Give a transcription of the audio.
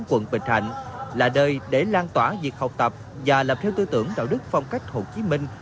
quận bình thạnh là nơi để lan tỏa việc học tập và làm theo tư tưởng đạo đức phong cách hồ chí minh